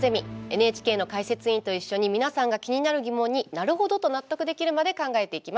ＮＨＫの解説委員と一緒に皆さんが気になる疑問になるほど！と納得できるまで考えていきます。